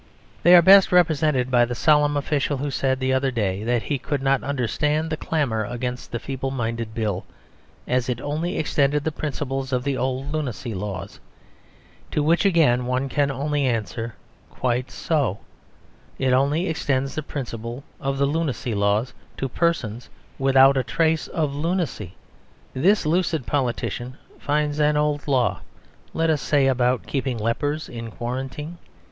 They are best represented by the solemn official who said the other day that he could not understand the clamour against the Feeble Minded Bill, as it only extended the principles of the old Lunacy Laws. To which again one can only answer "Quite so. It only extends the principles of the Lunacy Laws to persons without a trace of lunacy." This lucid politician finds an old law, let us say, about keeping lepers in quarantine.